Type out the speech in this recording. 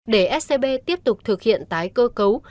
để scb tiếp tục thực hiện tái cơ cấu